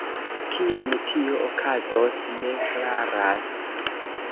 Kiam tio okazos, ne klaras.